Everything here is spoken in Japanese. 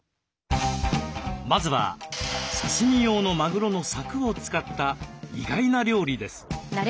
まずは刺身用のマグロのさくを使った意外な料理です。